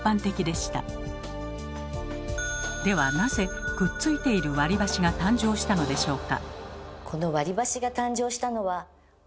ではなぜくっついている割り箸が誕生したのでしょうか？